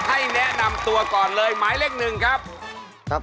ให้แนะนำตัวก่อนเลยหมายเลขหนึ่งครับครับ